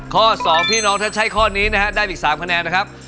๒พี่น้องถ้าใช้ข้อนี้นะฮะได้อีก๓คะแนนนะครับ